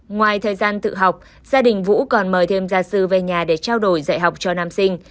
ngoài thời gian tự học gia đình vũ còn mời thêm gia sư về nhà để trao đổi dạy học cho nam sinh